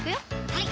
はい